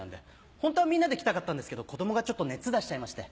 ホントはみんなで来たかったんですけど子供が熱出しちゃいまして。